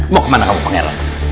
mau kemana kamu pangeran